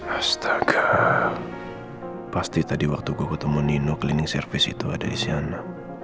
astaga pasti tadi waktu gue ketemu nino cleaning service itu ada di sana